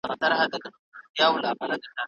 ټول افغان پر یوه لار سي لا به ښه سي